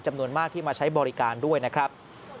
จำนวนมากที่มาใช้บริการด้วยนะครับ